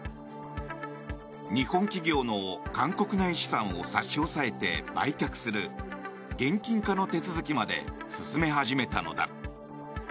日本企業の韓国内資産を差し押さえて売却する現金化の手続きまで進め始めたのだ。